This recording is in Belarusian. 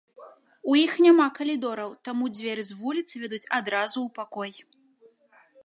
У іх няма калідораў, таму дзверы з вуліцы вядуць адразу ў пакой.